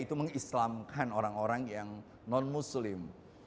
itu mengislamkan orang orang yang non muslim